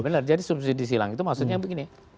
benar jadi subsidi silang itu maksudnya begini